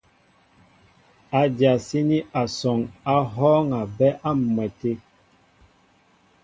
Ádyasíní asɔŋ á hɔ́ɔ́ŋ a bɛ́ á m̀mɛtə̂.